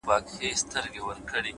د حقیقت منل د درک پراختیا ده,